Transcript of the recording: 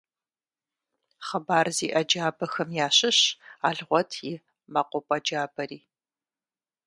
Хъыбар зиӏэ джабэхэм ящыщщ «Алгъуэт и мэкъупӏэ джабэри».